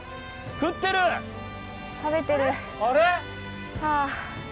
食べてる。